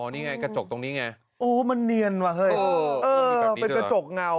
นี่ไงกระจกตรงนี้ไงโอ้มันเนียนว่ะเฮ้ยเออเป็นกระจกเงา